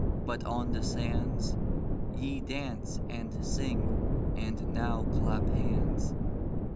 but on the sands Ye dance and sing, and now clap hands.